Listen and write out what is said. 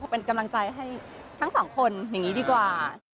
เป็นกำลังใจให้ทั้งสองคนอย่างนี้ดีกว่า